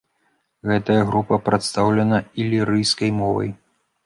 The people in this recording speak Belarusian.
Гэтая група прадстаўлена ілірыйскай мовай.